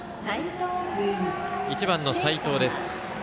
１番の齋藤です。